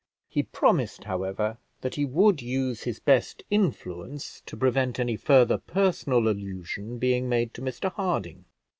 He promised, however, that he would use his best influence to prevent any further personal allusion being made to Mr Harding.